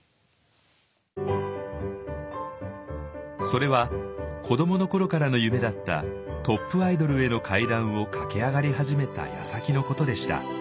それは子どもの頃からの夢だったトップアイドルへの階段を駆け上がり始めたやさきのことでした。